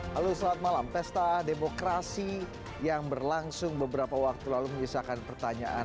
halo selamat malam pesta demokrasi yang berlangsung beberapa waktu lalu menyisakan pertanyaan